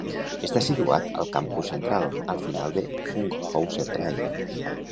Està situat al campus central, al final de Funkhouser Drive.